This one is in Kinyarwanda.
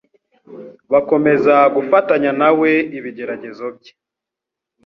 Bakomeza gufatanya na we ibigeragezo bye